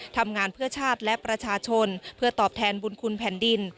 ทำงานเพื่อชาติและประชาชนเพื่อตอบแทนบุญคุณแผ่นดิน